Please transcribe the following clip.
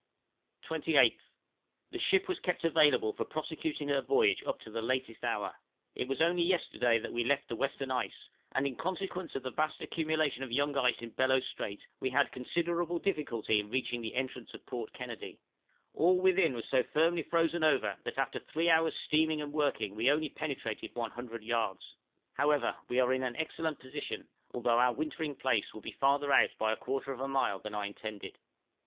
28th. The ship was kept available for prosecuting her voyage up to the latest hour; it was only yesterday that we left the western ice, and in consequence of the vast accumulation of young ice in Bellot Strait we had considerable difficulty in reaching the entrance of Port Kennedy: all within was so firmly frozen over that after three hours' steaming and working we only penetrated 100 yards; however, we are in an excellent position, although our wintering place will be farther out by a quarter of a mile than I intended.